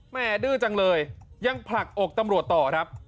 ดื้อจังเลยยังผลักอกตำรวจต่อครับ